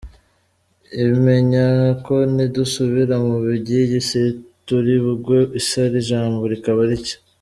Imenya ko nidusubira mu by’iyi si turi bugwe isari, ijambo rikaba rike.